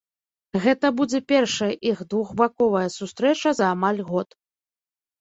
Гэта будзе першая іх двухбаковая сустрэча за амаль год.